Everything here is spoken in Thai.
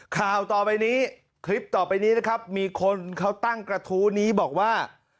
ข่าวต่อไปนี้คลิปต่อไปนี้นะครับมีคนเขาตั้งกระทู้นี้บอกว่า